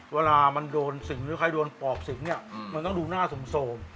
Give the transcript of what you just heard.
เวลามันโดนสิ่งหรือใครโดนปอบสิงเนี่ยมันต้องดูหน้าสม